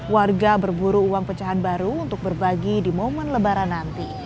warga berburu uang pecahan baru untuk berbagi di momen lebaran nanti